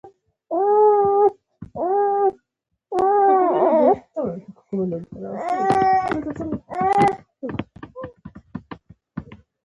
دا یو له هغو ښارونو څخه دی چې اوسېدونکي یې سره وېشلي دي.